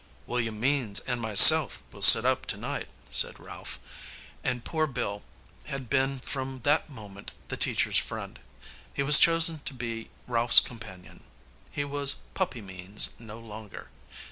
"William Means and myself will sit up to night," said Ralph. And poor Bill had been from that moment the teacher's friend. He was chosen to be Ralph's companion. He was Puppy Means no longer!